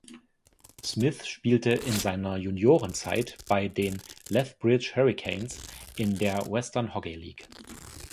Smith spielte in seiner Juniorenzeit bei den Lethbridge Hurricanes in der Western Hockey League.